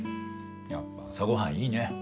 やっぱ朝ごはんいいね。